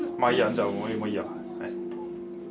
じゃあもういいや。